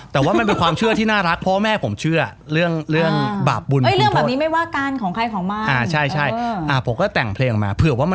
แต่ว่ามันความเชื่อที่ถือน่ารักเพราะแม่ผมเชื่อ